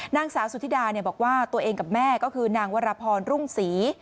นางสาวสุธิดาบอกว่าตัวเองกับแม่ก็คือนางวรพรรุ่งศรี